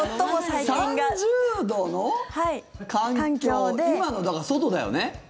今の、だから、外だよね？